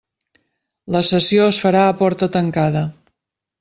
La sessió es farà a porta tancada.